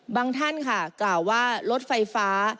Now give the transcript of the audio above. บางท่านกล่าวว่ารถไฟฟ้า